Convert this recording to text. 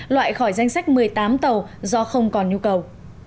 loại khỏi danh sách một mươi tám tàu do không còn nhu cầu